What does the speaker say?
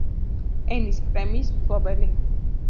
ემის პრემიის მფლობელი.